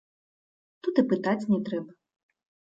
Тут і пытаць не трэба.